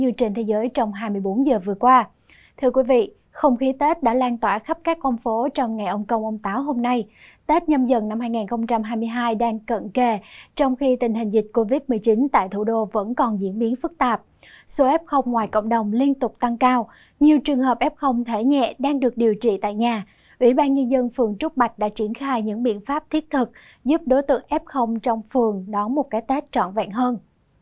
ủy ban nhân dân phường trúc bạch đã triển khai những biện pháp thiết thực giúp đối tượng f trong phường đón một cái tết trọn vẹn hơn